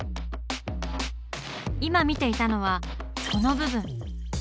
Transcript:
今見ていたのはこの部分。